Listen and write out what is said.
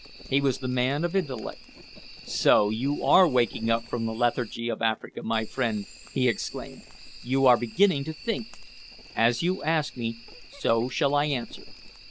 He was the man of intellect. "So you are waking up from the lethargy of Africa, my friend!" he exclaimed. "You are beginning to think. As you ask me, so shall I answer.